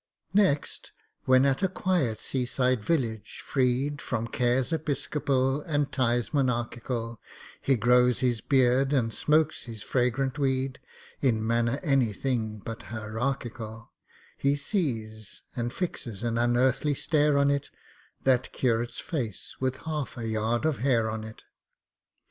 Next, when at quiet sea side village, freed From cares episcopal and ties monarchical, He grows his beard, and smokes his fragrant weed, In manner anything but hierarchical— He sees—and fixes an unearthly stare on it— That curate's face, with half a yard of hair on it!